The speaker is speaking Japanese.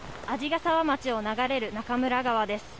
鰺ヶ沢町を流れる中村川です。